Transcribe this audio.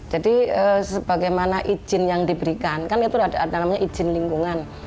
jadi sebagaimana izin yang diberikan kan itu ada namanya izin lingkungan